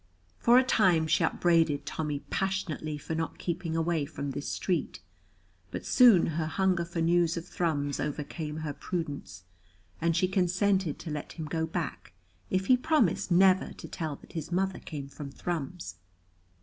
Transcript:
For a time she upbraided Tommy passionately for not keeping away from this street, but soon her hunger for news of Thrums overcame her prudence, and she consented to let him go back if he promised never to tell that his mother came from Thrums.